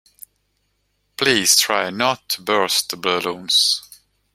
Please try not to burst the balloons